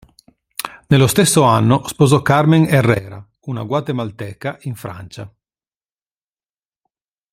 Nello stesso anno sposò Carmen Herrera, una guatemalteca in Francia.